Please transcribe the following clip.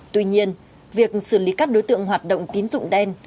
tuy nhiên việc xử lý các đối tượng hoạt động tín dụng đen